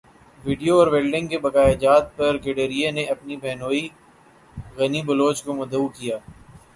video اور welding کے بقایاجات پر گڈریے نے اپنے بہنوئی غنی بلوچ کو مدعو کیا